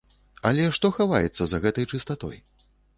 Але што хаваецца за гэтай чыстатой?